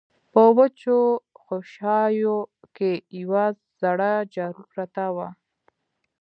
په وچو خوشايو کې يوه زړه جارو پرته وه.